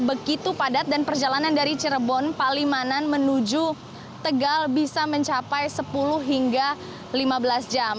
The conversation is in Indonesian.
begitu padat dan perjalanan dari cirebon palimanan menuju tegal bisa mencapai sepuluh hingga lima belas jam